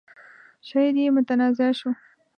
شعر يې متنازعه شو.